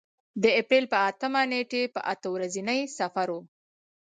د اپرېل په اتمې نېټې په اته ورځني سفر و.